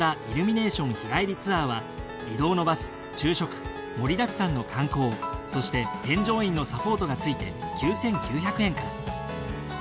イルミネーション日帰りツアーは移動のバス昼食盛りだくさんの観光そして添乗員のサポートがついて９，９００円から。